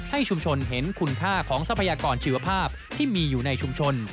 ให้ชุมชนเห็นคุณค่าของทรัพยากรชีวภาพที่มีอยู่ในชุมชน